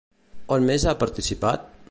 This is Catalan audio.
On més ha participat?